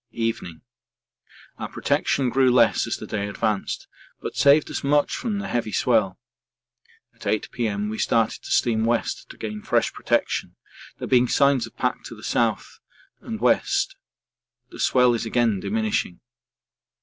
Evening. Our protection grew less as the day advanced but saved us much from the heavy swell. At 8 P.M. we started to steam west to gain fresh protection, there being signs of pack to south and west; the swell is again diminishing.